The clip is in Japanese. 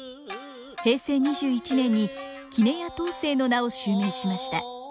平成２１年に杵屋東成の名を襲名しました。